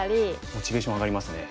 モチベーション上がりますね。